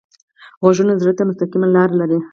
غږونه زړه ته مستقیم لاره لري